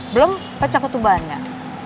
belum pecah ketubahan gak